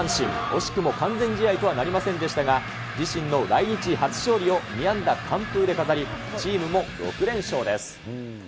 惜しくも完全試合とはなりませんでしたが、自身の来日初勝利を２安打完封で飾り、チームも６連勝です。